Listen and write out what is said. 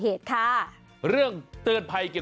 หันไปมองกระตุกผู้โทษภาพดิ